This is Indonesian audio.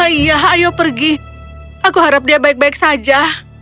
iya ayo pergi aku harap dia baik baik saja